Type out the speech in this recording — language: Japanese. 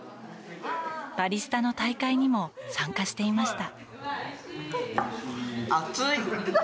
バリスタの大会にも参加していました。